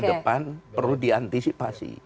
ke depan perlu diantisipasi